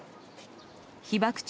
被爆地